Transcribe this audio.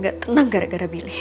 gak tenang gara gara pilih